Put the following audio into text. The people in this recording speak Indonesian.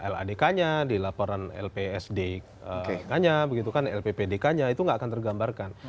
ladk nya di laporan lpsd nya begitu kan lppdk nya itu nggak akan tergambarkan